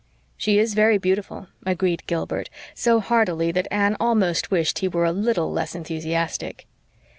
"She is very beautiful," agreed Gilbert, so heartily that Anne almost wished he were a LITTLE less enthusiastic.